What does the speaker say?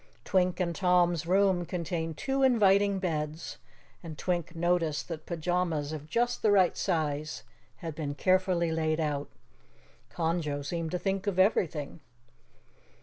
Twink and Tom's room contained two inviting beds, and Twink noticed that pajamas of just the right size had been carefully laid out. Conjo seemed to think of everything.